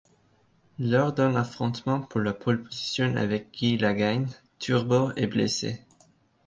Lors d'un affrontement pour la pôle position avec Guy La Gagne, Turbo est blessé.